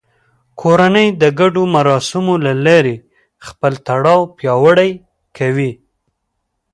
کورنۍ د ګډو مراسمو له لارې خپل تړاو پیاوړی کوي